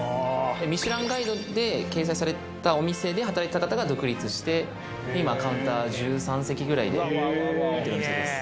ミシュランガイドで掲載されたお店で働いてた方が独立して今カウンター１３席ぐらいでやってるお店です